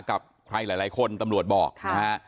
กับใครหลายคนตำรวจบอกนะฮะ